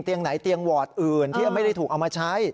ไหนเตียงวอร์ดอื่นที่ไม่ได้ถูกเอามาใช้